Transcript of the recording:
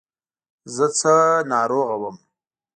زه څه ناروغه وم.